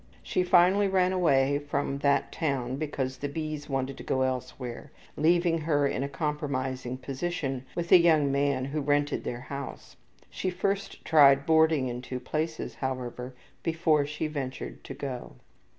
She finally ran away from that town because the B.'s wanted to go elsewhere, leaving her in a compromising position with a young man who rented their house. She first tried boarding in two places, however, before she ventured to go.